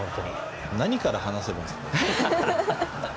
何から話せばいいんですかね。